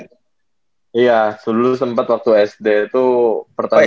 iya dulu sempet waktu sd itu pertandingan